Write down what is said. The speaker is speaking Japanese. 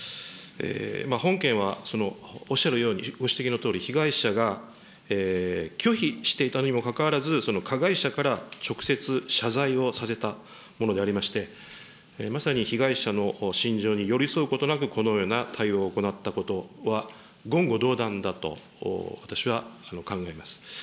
本件は、おっしゃるように、ご指摘のとおり、被害者が拒否していたにもかかわらず、加害者から直接謝罪をさせたものでありました、まさに被害者の心情に寄り添うことなく、このような対応を行ったことは、言語道断だと、私は考えます。